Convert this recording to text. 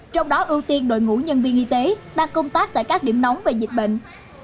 trong đó ưu tiên đội ngũ nhân viên y tế đang công tác tại các điểm nóng về dịch bệnh